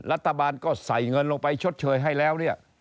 รัฐบาลก็ใส่เงินลงไปชดเชยให้แล้วเนี่ย